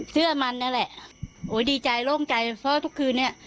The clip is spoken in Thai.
เสื้อมันนั่นแหละโอ้ยดีใจโล่งใจเพราะทุกคืนเนี้ย